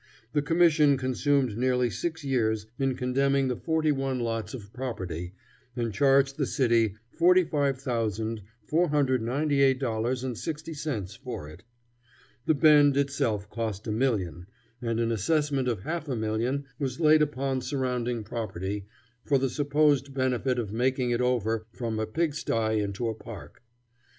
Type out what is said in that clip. The commission consumed nearly six years in condemning the forty one lots of property, and charged the city $45,498.60 for it. The Bend itself cost a million, and an assessment of half a million was laid upon surrounding property for the supposed benefit of making it over from a pig sty into a park.